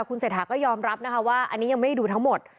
คุณเสถาก็ยอมรับว่าอันนี้ยังไม่ดูทั้งหมด